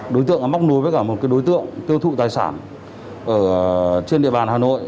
đối tượng móc nối với cả một đối tượng tiêu thụ tài sản trên địa bàn hà nội